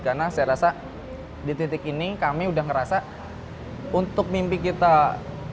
karena saya rasa di titik ini kami udah ngerasa untuk mimpi kita go nasional itu bukan saja